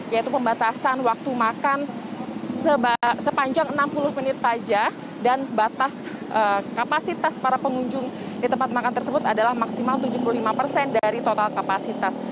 yaitu pembatasan waktu makan sepanjang enam puluh menit saja dan batas kapasitas para pengunjung di tempat makan tersebut adalah maksimal tujuh puluh lima persen dari total kapasitas